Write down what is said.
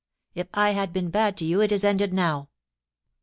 ... If L have been bad to you, it is ended now.